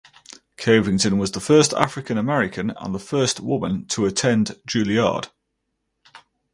Covington was the first African American and the first woman to attend Juilliard.